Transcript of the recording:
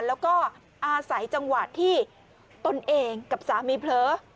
แล้วก็อาศัยจังหวะที่ตนเองกับสามีเผลอ